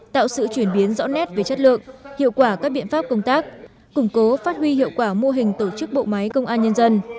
tạo sự chuyển biến rõ nét về chất lượng hiệu quả các biện pháp công tác củng cố phát huy hiệu quả mô hình tổ chức bộ máy công an nhân dân